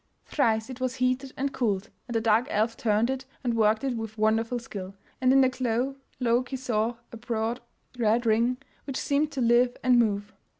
Thrice it was heated and cooled, and the dark elf turned it and worked it with wonderful skill, and in the glow Loki saw a broad red ring, which seemed to live and move.